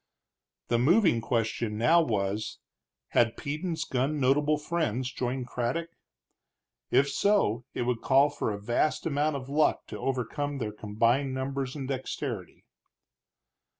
The moving question now was, had Peden's gun notable friends joined Craddock? If so, it would call for a vast amount of luck to overcome their combined numbers and dexterity.